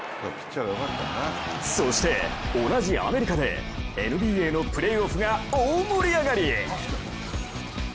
そして同じアメリカでＮＢＡのプレーオフが大盛り上がり！